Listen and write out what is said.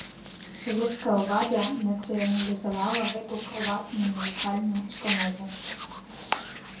Савецкая ўлада нацыяналізавала гэту прыватную навучальную ўстанову.